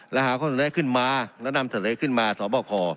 และหาข้อสนุนแรกขึ้นมาและนำเถอะเลยขึ้นมาสอบบอกขอ